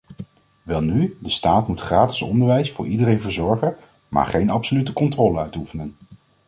Welnu, de staat moet gratis onderwijs voor iedereen verzorgen maar geen absolute controle uitoefenen.